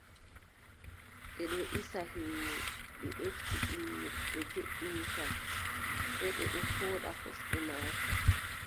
Ɓe ɗon isa yimɓe, ɓe efti innu ɓe joɗɗoni kam, sey ɓe ɗo pooɗa gosɗe maako.